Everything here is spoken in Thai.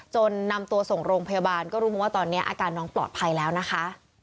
นำตัวส่งโรงพยาบาลก็รู้มาว่าตอนนี้อาการน้องปลอดภัยแล้วนะคะ